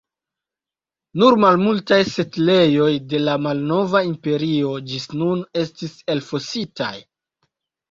Nur malmultaj setlejoj de la Malnova Imperio ĝis nun estis elfositaj.